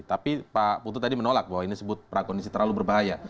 tapi pak putu tadi menolak bahwa ini sebut prakondisi terlalu berbahaya